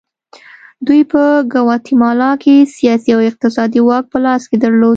دوی په ګواتیمالا کې سیاسي او اقتصادي واک په لاس کې درلود.